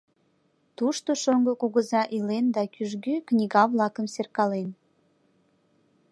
Тушто шоҥго кугыза илен да кӱжгӧ книга-влакым серкален.